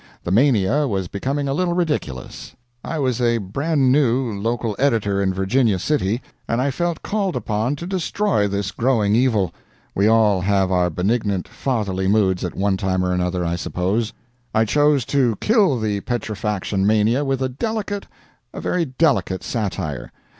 The mania was becoming a little ridiculous. I was a brand new local editor in Virginia City, and I felt called upon to destroy this growing evil; we all have our benignant, fatherly moods at one time or another, I suppose. I chose to kill the petrifaction mania with a delicate, a very delicate satire.